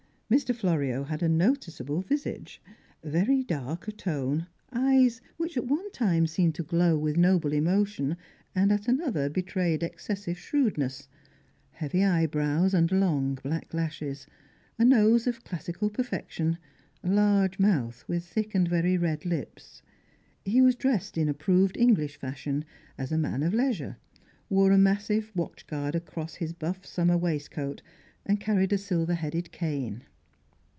Mr. Florio had a noticeable visage, very dark of tone, eyes which at one time seemed to glow with noble emotion, and at another betrayed excessive shrewdness; heavy eyebrows and long black lashes; a nose of classical perfection; large mouth with thick and very red lips. He was dressed in approved English fashion, as a man of leisure, wore a massive watchguard across his buff summer waistcoat, and carried a silver headed cane.